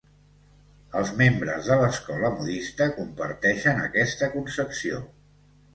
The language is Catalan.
Els membres de l'escola modista comparteixen aquesta concepció.